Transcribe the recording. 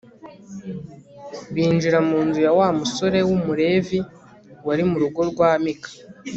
binjira mu nzu ya wa musore w'umulevi wari mu rugo rwa mika